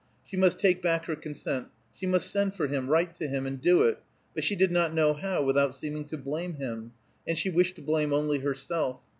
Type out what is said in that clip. She must take back her consent; she must send for him, write to him, and do it; but she did not know how without seeming to blame him, and she wished to blame only herself.